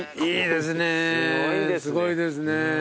すごいですね。